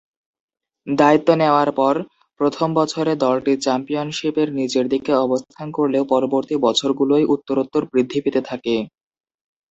দায়িত্ব নেয়ার পর প্রথম বছরে দলটি চ্যাম্পিয়নশীপের নিচেরদিকে অবস্থান করলেও পরবর্তী বছরগুলোয় উত্তরোত্তর বৃদ্ধি পেতে থাকে।